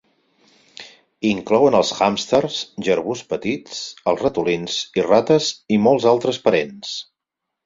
Inclouen els hàmsters, jerbus petits, els ratolins i rates i molts altres parents.